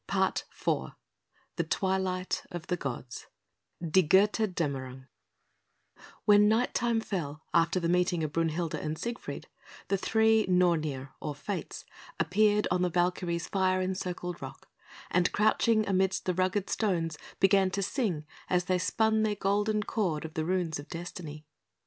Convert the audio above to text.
PART IV THE TWILIGHT OF THE GODS (Die Götterdämmerung) When night time fell, after the meeting of Brünhilde and Siegfried, the three Nornir, or Fates, appeared on the Valkyrie's fire encircled rock, and crouching amidst the rugged stones, began to sing as they spun their golden cord of the runes of Destiny.